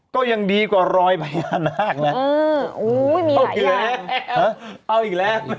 ก็ยังดีกว่ารอยพญานาคนะอู๋ไม่มีหายอย่างเอาอีกแล้ว